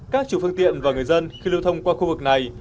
các chủ phương tiện và người dân khi lưu thông qua khu vực này